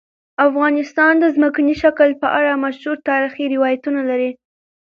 افغانستان د ځمکنی شکل په اړه مشهور تاریخی روایتونه لري.